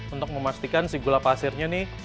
untuk memastikan si gula pasirnya nih